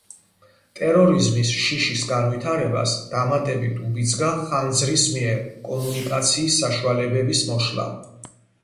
ტერორიზმის შიშის განვითარებას დამატებით უბიძგა ხანძრის მიერ კომუნიკაციის საშუალებების მოშლამ.